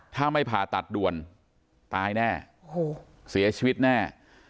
ถ้าไม่ผ่าตัดด่วนตายแน่โอ้โหเสียชีวิตแน่